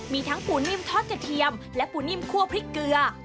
มีทั้งปูนิ่มทอดกระเทียมและปูนิ่มคั่วพริกเกลือ